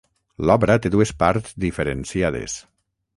L'obra té dues parts diferenciades.